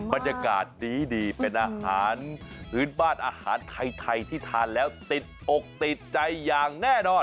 บรรยากาศดีเป็นอาหารพื้นบ้านอาหารไทยที่ทานแล้วติดอกติดใจอย่างแน่นอน